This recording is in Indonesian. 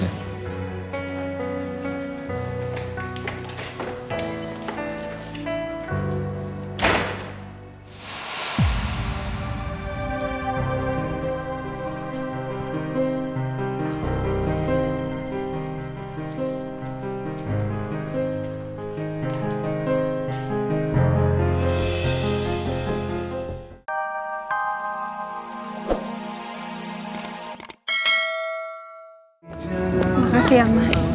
terima kasih ya mas